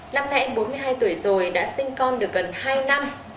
năm nay em bốn mươi hai tuổi rồi đã sinh con được gần hai năm